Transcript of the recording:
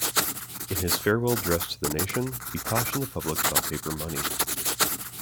In his farewell address to the nation, he cautioned the public about paper money.